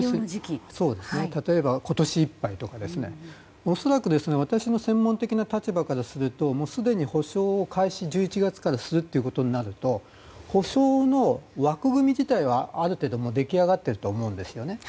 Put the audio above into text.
例えば今年いっぱいとか。恐らくですが私の専門的な立場からするとすでに補償を１１月から開始するということになると補償の枠組み自体は、ある程度出来上がっていると思うんです。